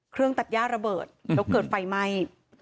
เครื่องตัดย่าระเบิดแล้วเกิดไฟไหม้